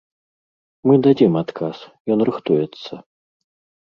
Мы дадзім адказ, ён рыхтуецца.